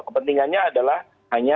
kepentingannya adalah hanya